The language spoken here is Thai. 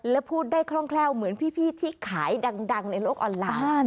และพูดได้คล่องแคล่วเหมือนพี่ที่ขายดังในโลกออนไลน์